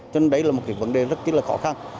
cho nên đây là một cái vấn đề rất là khó khăn